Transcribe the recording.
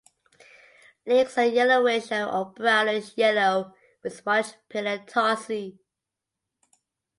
Legs are yellowish or brownish yellow with much paler tarsi.